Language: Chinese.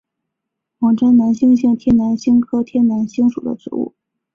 网檐南星是天南星科天南星属的植物。